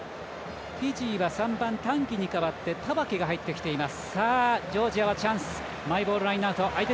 フィジーは３番、タンギに代わってタワケが入ってきています。